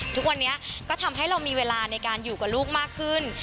ทุกวันนี้ก็ทำให้เรามีเวลาในการอยู่กับลูกมากขึ้น